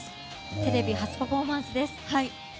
テレビ初パフォーマンスです。